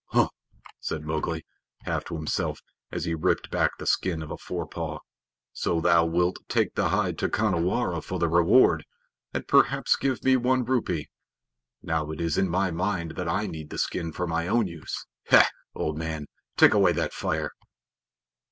"Hum!" said Mowgli, half to himself as he ripped back the skin of a forepaw. "So thou wilt take the hide to Khanhiwara for the reward, and perhaps give me one rupee? Now it is in my mind that I need the skin for my own use. Heh! Old man, take away that fire!"